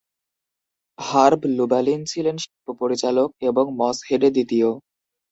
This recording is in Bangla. হার্ব লুবালিন ছিলেন শিল্প পরিচালক এবং মসহেডে দ্বিতীয়।